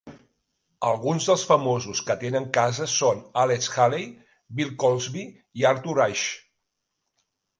Alguns dels famosos que tenen cases són Alex Haley, Bill Cosby i Arthur Ashe.